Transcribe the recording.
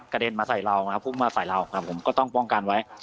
เด็นมาใส่เรานะครับพุ่งมาใส่เราครับผมก็ต้องป้องกันไว้